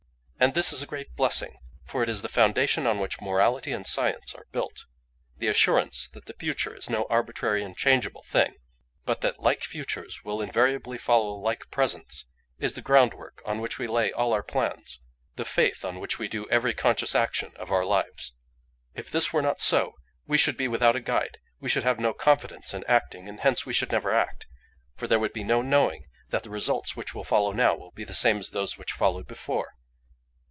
"And this is a great blessing; for it is the foundation on which morality and science are built. The assurance that the future is no arbitrary and changeable thing, but that like futures will invariably follow like presents, is the groundwork on which we lay all our plans—the faith on which we do every conscious action of our lives. If this were not so we should be without a guide; we should have no confidence in acting, and hence we should never act, for there would be no knowing that the results which will follow now will be the same as those which followed before.